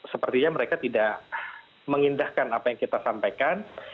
sepertinya mereka tidak mengindahkan apa yang kita sampaikan